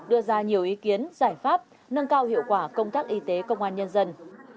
đưa ra nhiều ý kiến giải pháp nâng cao hiệu quả công tác y tế công an nhân dân